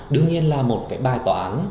đương nhiên là một cái bài toán